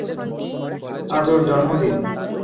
আজ ওর জন্মদিন।